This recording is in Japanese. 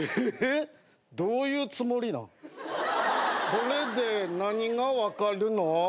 これで何が分かるの？